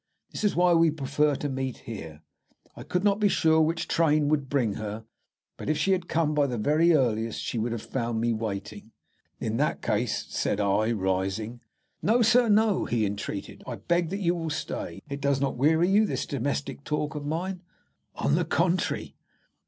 That is why we prefer to meet here. I could not be sure which train would bring her, but if she had come by the very earliest she would have found me waiting." "In that case " said I, rising. "No, sir, no," he entreated, "I beg that you will stay. It does not weary you, this domestic talk of mine?" "On the contrary."